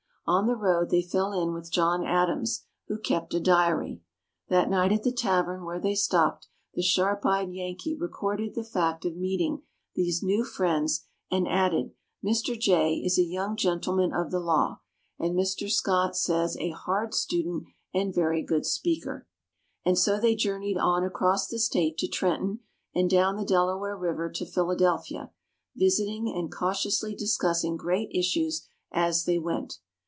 On the road they fell in with John Adams, who kept a diary. That night at the tavern where they stopped, the sharp eyed Yankee recorded the fact of meeting these new friends and added, "Mr. Jay is a young gentleman of the law ... and Mr. Scott says a hard student and a very good speaker." And so they journeyed on across the State to Trenton and down the Delaware River to Philadelphia, visiting, and cautiously discussing great issues as they went.